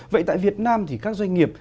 vậy tại việt nam thì các doanh nghiệp